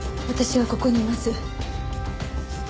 私はここにいます。